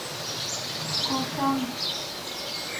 Ҡашан?